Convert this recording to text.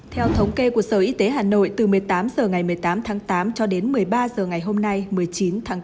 theo thống kê của sở y tế hà nội từ một mươi tám h ngày một mươi tám tháng tám cho đến một mươi ba h ngày hôm nay một mươi chín tháng tám